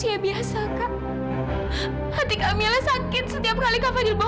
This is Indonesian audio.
ibu tapi senang klok klok